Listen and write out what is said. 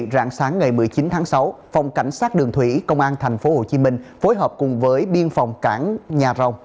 rạng sáng ngày một mươi chín tháng sáu phòng cảnh sát đường thủy công an tp hcm phối hợp cùng với biên phòng cảng nhà rồng